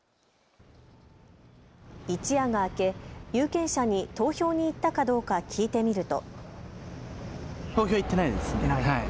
一夜が明け、有権者に投票に行ったかどうか聞いてみると。